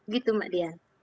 gitu mbak dian